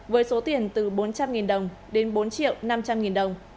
với số tiền từ bốn trăm linh đồng đến bốn năm trăm linh đồng